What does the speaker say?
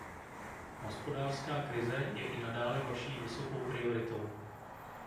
Hospodářská krize je i nadále vaší vysokou prioritou.